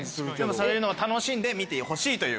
そういうのを楽しんで見てほしいという。